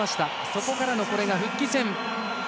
そこからの、これが復帰戦。